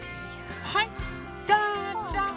はいどうぞ。